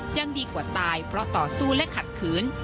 ยังดีกว่าตายเพราะต่อสู้และขัดขืน